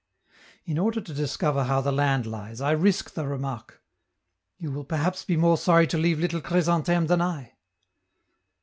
In order to discover how the land lies, I risk the remark: "You will perhaps be more sorry to leave little Chrysantheme than I."